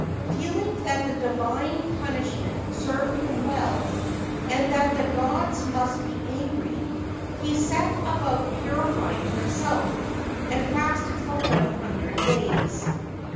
Feeling that the divine punishment served him well, and that the gods must be angry, he set about purifying himself, and fasted for one hundred days.